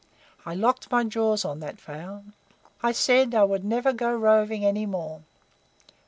I locked my jaws on that vow I said I would never go roving any more.